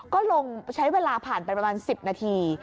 ก็ลงใช้เวลาผ่านไปประมาณ๑๐นาที